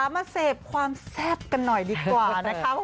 มาเสพความแซ่บกันหน่อยดีกว่านะคะ